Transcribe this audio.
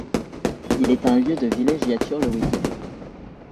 Il est un lieu de villégiature le week-end.